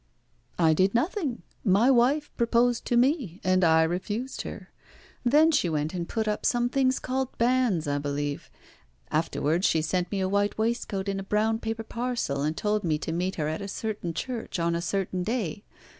"I did nothing. My wife proposed to me, and I refused her. Then she went and put up some things called banns, I believe. Afterwards she sent me a white waistcoat in a brown paper parcel, and told me to meet her at a certain church on a certain day.